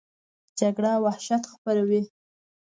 جګړه وحشت خپروي